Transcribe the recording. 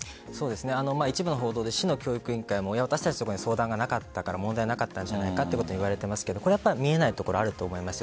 一部の報道で市の教育委員会も私たちとかに相談がなかったから問題がなかったんじゃないかといわれていますが見えないところがあると思います。